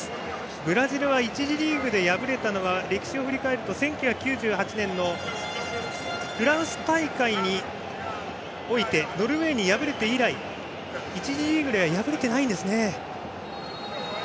ブラジルが１次リーグで敗れたのは歴史を振り返ると１９９８年のフランス大会においてノルウェーに敗れて以来１次リーグで敗れていません。